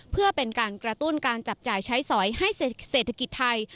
เพื่อเป็นการกระตุ้นการจับจ่ายใช้สอยให้เศรษฐกิจไทย